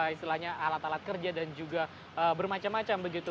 istilahnya alat alat kerja dan juga bermacam macam begitu